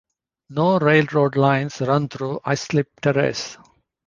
No railroad lines run through Islip Terrace.